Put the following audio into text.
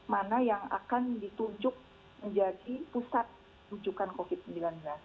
mana yang akan ditunjuk menjadi pusat rujukan covid sembilan belas